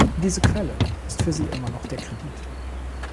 Diese Quelle ist für sie immer noch der Kredit.